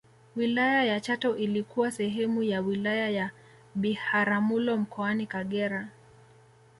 wilaya ya chato ilikuwa sehemu ya wilaya ya biharamulo mkoani kagera